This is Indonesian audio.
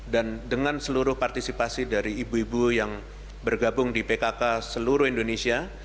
dan dengan seluruh partisipasi dari ibu ibu yang bergabung di pkk seluruh indonesia